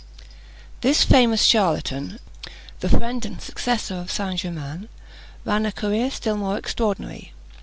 This famous charlatan, the friend and successor of St. Germain, ran a career still more extraordinary.